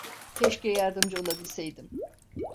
Keşke yardımcı olabilseydim.